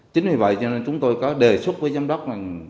chính vì vậy cho nên chúng tôi có đề xuất với giám đốc là